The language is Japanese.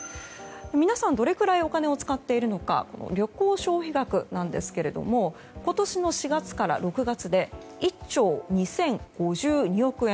皆さん、どれくらいお金を使っているのか旅行消費額なんですけれども今年の４月から６月で１兆２０５２億円。